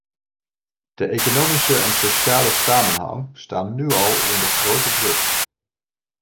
De economische en sociale samenhang staan nu al onder grote druk.